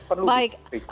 perlu di cek baik